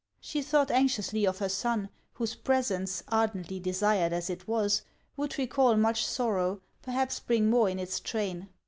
She thought anxiously of her son, whose presence, ardently desired as it was, would recall much sorrow, perhaps bring more in its train.